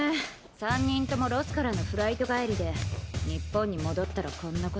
三人ともロスからのフライト帰りで日本に戻ったらこんなことに。